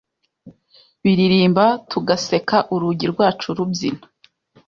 biririmba tugaseka urugi rwacu rubyina